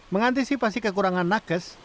mengantisipasi kekurangan nakes